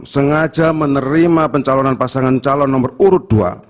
sengaja menerima pencalonan pasangan calon nomor urut dua